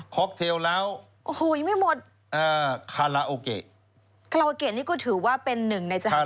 ็อกเทลแล้วโอ้โหยังไม่หมดอ่าคาราโอเกะคาราโอเกะนี่ก็ถือว่าเป็นหนึ่งในสหรัฐ